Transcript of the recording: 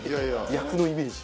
役のイメージ。